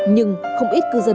nhưng không ít cư dân